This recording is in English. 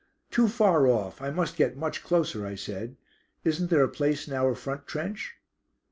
"Too far off; I must get much closer," I said. "Isn't there a place in our front trench?"